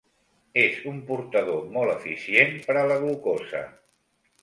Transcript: És un portador molt eficient per a la glucosa.